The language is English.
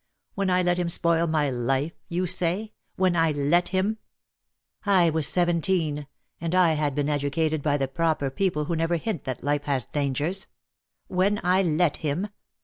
When I let him spoil my life! you say — When I let him! l8o DEAD LOVE HAS CHAINS. I was seventeen — and I had been educated by the proper people who never hint that Ufe has dangers, When I let him!